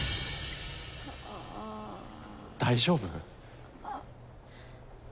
大丈夫？